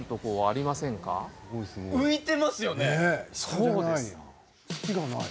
そうです。